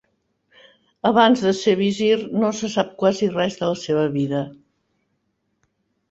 Abans de ser visir no se sap quasi res de la seva vida.